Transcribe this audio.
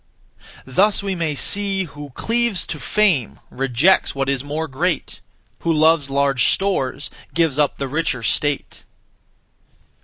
Thus we may see, Who cleaves to fame Rejects what is more great; Who loves large stores Gives up the richer state.